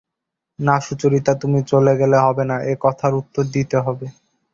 না সুচরিতা, তুমি চলে গেলে হবে না– এ কথার উত্তর দিতে হবে।